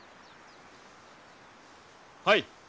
はい。